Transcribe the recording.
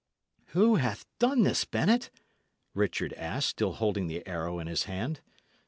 "Who hath done this, Bennet?" Richard asked, still holding the arrow in his hand.